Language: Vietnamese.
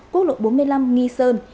quốc lộ bốn mươi năm nghi sơn